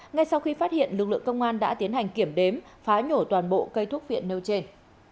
ngay sau khi phát hiện lực lượng công an đã tiến hành kiểm đếm phá nhổ toàn bộ cây thuốc viện nêu trên